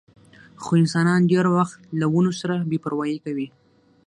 خو انسانان ډېر وخت له ونو سره بې پروايي کوي.